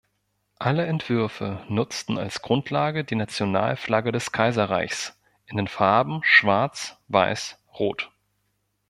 Alle Entwürfe nutzten als Grundlage die Nationalflagge des Kaiserreichs in den Farben Schwarz-Weiß-Rot.